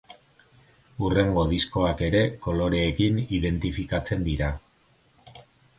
Hurrengo diskoak ere koloreekin identifikatzen dira.